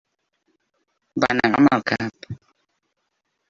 Va negar amb el cap.